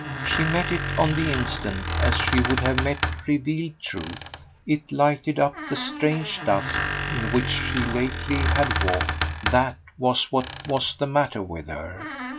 She met it on the instant as she would have met revealed truth; it lighted up the strange dusk in which she lately had walked. THAT was what was the matter with her.